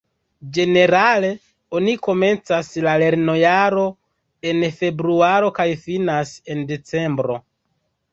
Ĝenerale oni komencas la lernojaro en februaro kaj finas en decembro.